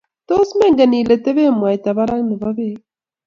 Tos mengen Ile tebe mwaita barak nebo bek